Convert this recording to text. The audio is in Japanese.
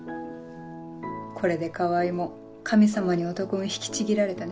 これで川合も神様に男運引きちぎられたね。